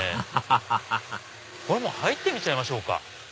アハハハ入ってみちゃいましょうか。